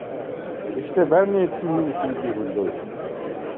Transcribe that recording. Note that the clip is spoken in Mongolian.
Гэхдээ байрны эзэн юу гэхийг би хүлээе.